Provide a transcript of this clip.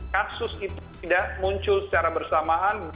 kasus itu tidak muncul secara bersamaan